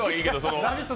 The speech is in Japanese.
「ラヴィット！」